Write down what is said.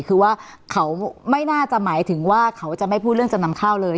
คือว่าเขาไม่น่าจะหมายถึงว่าเขาจะไม่พูดเรื่องจำนำข้าวเลย